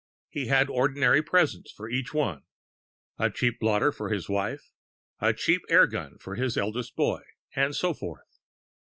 He had ordinary presents for each one, a cheap blotter for his wife, a cheap air gun for the eldest boy, and so forth.